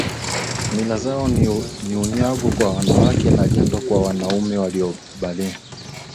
Mila zao ni unyago kwa wanawake na jando kwa vijana wanaume waliobalehe